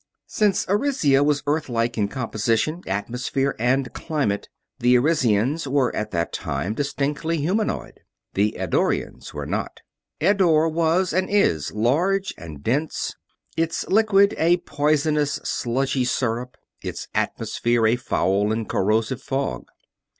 Since Arisia was Earth like in composition, atmosphere, and climate, the Arisians were at that time distinctly humanoid. The Eddorians were not. Eddore was and is large and dense; its liquid a poisonous, sludgy syrup; its atmosphere a foul and corrosive fog.